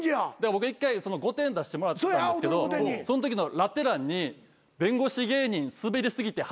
僕一回『御殿！！』出してもらったんですけどそんときのラテ欄に「弁護士芸人スベり過ぎて敗訴」って書かれた。